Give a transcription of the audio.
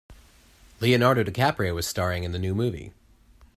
Leonardo DiCaprio is staring in the new movie.